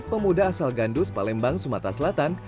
pemuda asal gandus palembang sumatera selatan